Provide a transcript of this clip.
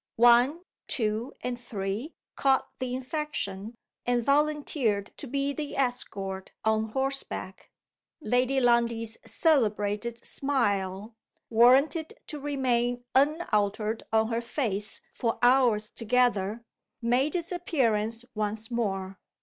One, Two, and Three caught the infection, and volunteered to be the escort on horseback. Lady Lundie's celebrated "smile" (warranted to remain unaltered on her face for hours together) made its appearance once more.